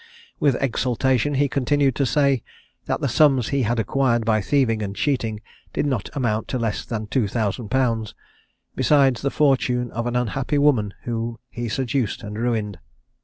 With exultation he continued to say that the sums he had acquired by thieving and cheating did not amount to less than two thousand pounds, besides the fortune of an unhappy woman whom he seduced and ruined.